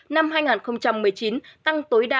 năm hai nghìn một mươi chín tăng tối đa